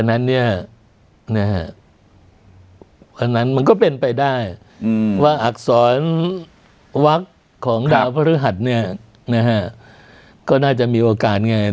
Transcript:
อันนั้นมันก็เป็นไปได้ว่าอักษรวักษณ์ของดาวพระธุรกิจก็น่าจะมีโอกาสไง